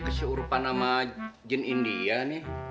kesurupan sama jin india nih